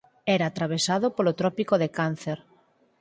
Era atravesado polo Trópico de Cáncer.